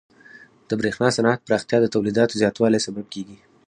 د برېښنا صنعت پراختیا د تولیداتو زیاتوالي سبب کیږي.